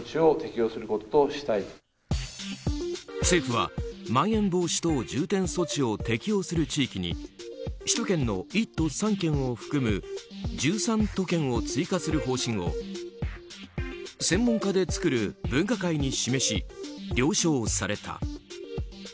政府はまん延防止等重点措置を適用する地域に首都圏の１都３県を含む１３都県を追加する方針を専門家で作る分科会に示し了承された。